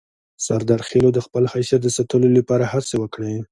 سردارخېلو د خپل حیثیت د ساتلو لپاره هڅې وکړې.